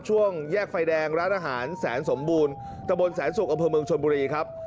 ช่วงแยกไฟแดงร้านอาหารแสนสมบูรณ์ตะบนแสนสุกอำเภอเมืองชนบุรีครับ